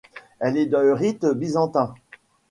Elle est de rite byzantin.